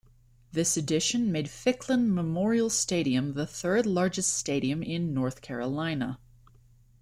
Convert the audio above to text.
This addition made Ficklen Memorial Stadium the third largest stadium in North Carolina.